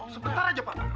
sebentar aja pak